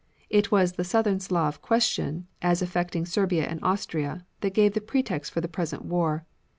It was the Southern Slav question as affecting Serbia and Austria, that gave the pretext for the present war.